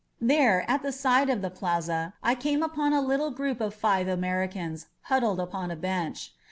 There, at the side of the plaza, I came upon a little group of five Americans huddled upon a bench.